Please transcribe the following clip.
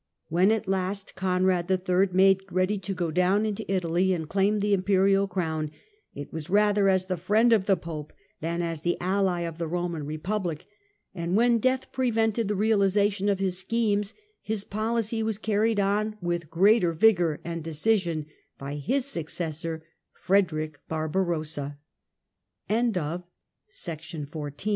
When at last Conrad III. made ready to go down into Italy and claim the imperial crown, it was rather as the friend of the Pope than as the ally of the Eoman republic, and when death prevented the realization of his schemes, his policy was carried on with greater vigour and decision by his successor, Frederick Barbar